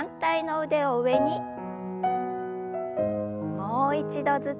もう一度ずつ。